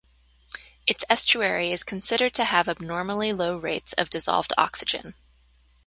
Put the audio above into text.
Its estuary is considered to have abnormally low rates of dissolved oxygen.